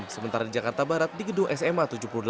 sementara di jakarta barat di gedung sma tujuh puluh delapan